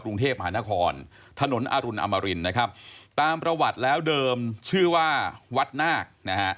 กรุงเทพมหานครถนนอรุณอมรินนะครับตามประวัติแล้วเดิมชื่อว่าวัดนาคนะฮะ